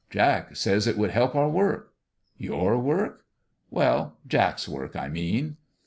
Jack says it would help our work "" Your work!" " Well, Jack's work, I mean.'